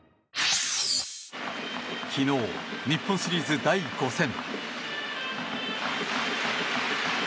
昨日、日本シリーズ第５戦。